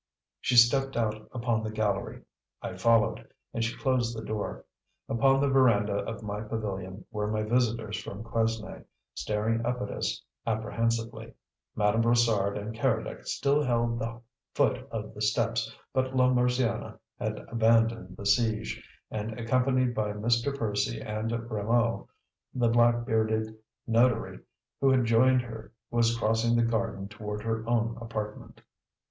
She stepped out upon the gallery; I followed, and she closed the door. Upon the veranda of my pavilion were my visitors from Quesnay, staring up at us apprehensively; Madame Brossard and Keredec still held the foot of the steps, but la Mursiana had abandoned the siege, and, accompanied by Mr. Percy and Rameau, the black bearded notary, who had joined her, was crossing the garden toward her own apartment.